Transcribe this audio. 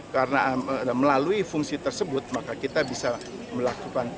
karena melalui fungsi tersebut maka kita bisa melakukan